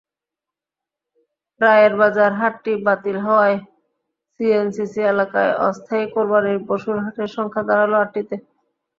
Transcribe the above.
রায়েরবাজার হাটটি বাতিল হওয়ায় ডিএনসিসি এলাকায় অস্থায়ী কোরবানির পশুর হাটের সংখ্যা দাঁড়াল আটটিতে।